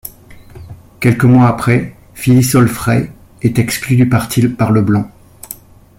Quelques mois après, Phyllis Allfrey est exclue du parti par Leblanc.